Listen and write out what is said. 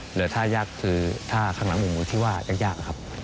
เหลือท่ายากคือท่าข้างหลังกามบุ่งที่จะยากครับ